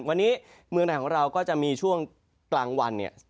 วันนี้เมืองไทยของเราก็จะมีช่วงกลางวันเนี่ย